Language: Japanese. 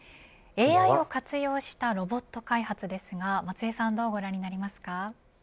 ＡＩを活用したロボット開発ですが松江さんはどうご覧になりますか。